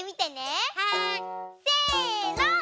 せの。